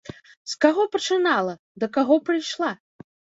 З каго пачынала, да каго прыйшла?